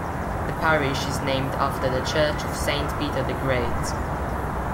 The parish is named after the church of Saint Peter the Great.